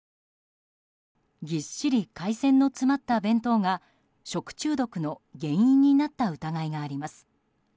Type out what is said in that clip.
ぎっしり海鮮の詰まった弁当が食中毒の原因になった疑いがあります。